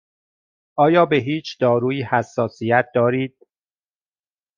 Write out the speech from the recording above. آیا به هیچ دارویی حساسیت دارید؟